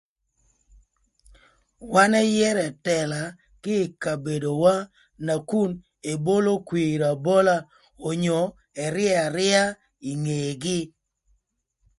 Wan ëyërö ëtëla kï ï kabedowa nakun ebolo kwir abola onyo ëryëö aryëa ï ngegï.